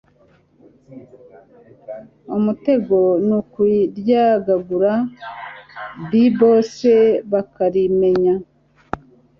umutego nukuryagagura bbose bakarimenya